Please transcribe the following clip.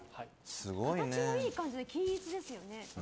形がいい感じで均一ですね。